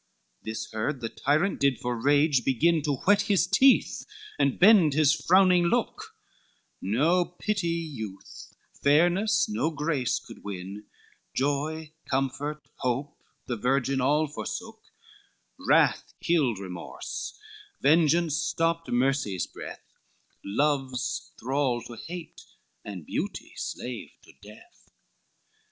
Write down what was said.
This heard, the tyrant did for rage begin To whet his teeth, and bend his frowning look, No pity, youth; fairness, no grace could win; Joy, comfort, hope, the virgin all forsook; Wrath killed remorse, vengeance stopped mercy's breath Love's thrall to hate, and beauty's slave to death.